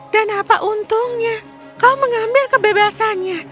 dan apa untungnya kau mengambil kebebasannya